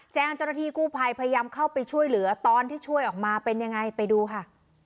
แจ้งเจ้าหน้าที่กู้ภัยพยายามเข้าไปช่วยเหลือตอนที่ช่วยออกมาเป็นยังไงไปดูค่ะ